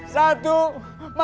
satu masuk penjara